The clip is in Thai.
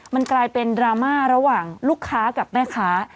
มันกลายเป็นดราม่าระหว่างลูกค้ากับแม่ค้า